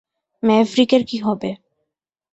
ম্যাভরিকের কী হবে?